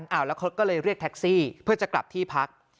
แล้วเขาก็เลยเรียกแท็กซี่เพื่อจะกลับที่พัก